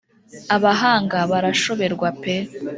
abahanga barashoberwa pee